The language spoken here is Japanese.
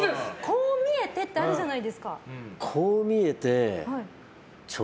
こう見えてってあるじゃないですか。